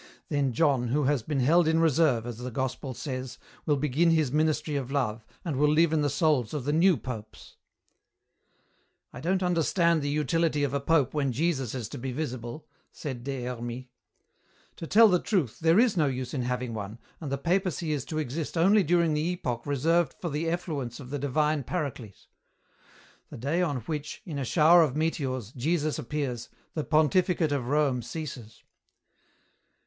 Then John, who has been held in reserve, as the Gospel says, will begin his ministry of love and will live in the souls of the new popes." "I don't understand the utility of a pope when Jesus is to be visible," said Des Hermies. "To tell the truth, there is no use in having one, and the papacy is to exist only during the epoch reserved for the effluence of the divine Paraclete. The day on which, in a shower of meteors, Jesus appears, the pontificate of Rome ceases."